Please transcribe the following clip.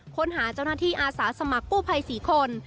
ค้นหาเจ้าหน้าที่อาสาสมัครกู้ภัย๔คน